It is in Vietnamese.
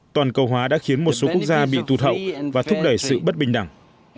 toàn cầu hóa đã khiến một số quốc gia bị tù thậu và thúc đẩy sự bất bình đẳng